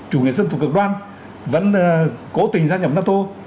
chủ nghĩa xâm phục cực đoan vẫn cố tình gia nhập nato